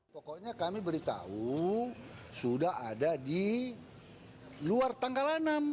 pokoknya kami beritahu sudah ada di luar tanggal enam